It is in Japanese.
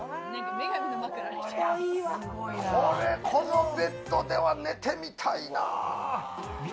このベッドで寝てみたいなぁ！